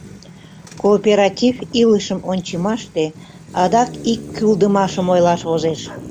Кооператив илышым ончымаште адак ик кӱлдымашым ойлаш возеш.